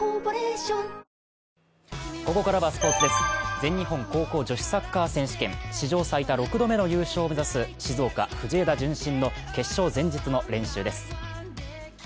全日本高校女子サッカー選手権、史上最多６度目の優勝を目指す静岡、藤枝順心の決勝前日の練習です。